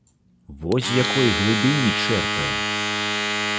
Во з якой глыбіні чэрпае!